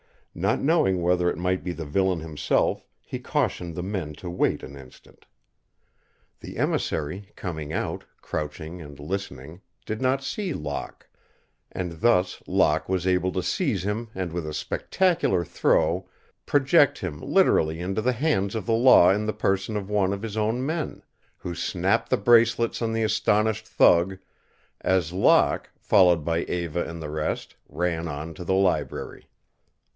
Not knowing whether it might be the villain himself, he cautioned the men to wait an instant. The emissary, coming along, crouching and listening, did not see Locke, and thus Locke was able to seize him and with a spectacular throw project him literally into the hands of the law in the person of one of his own men, who snapped the bracelets on the astonished thug as Locke, followed by Eva and the rest, ran on to the library.